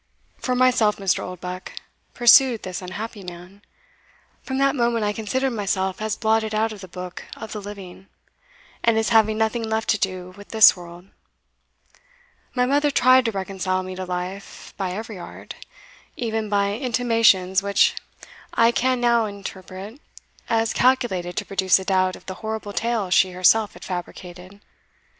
For myself, Mr. Oldbuck," pursued this unhappy man, "from that moment I considered myself as blotted out of the book of the living, and as having nothing left to do with this world. My mother tried to reconcile me to life by every art even by intimations which I can now interpret as calculated to produce a doubt of the horrible tale she herself had fabricated.